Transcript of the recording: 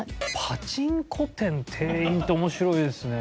パチンコ店店員って面白いですね。